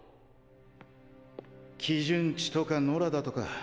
基準値とか野良だとか。